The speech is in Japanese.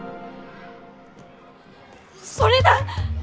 それだ！